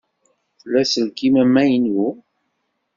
Tla aselkim amaynu?